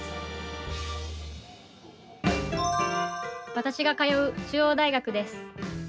私が通う中央大学です。